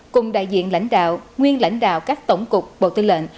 cùng đại diện lãnh đạo nguyên lãnh đạo các tổng cục bộ tư lệnh